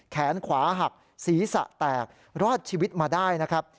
แขนขวาหักศีรษะแตกรอดชีวิตมาได้นะครับ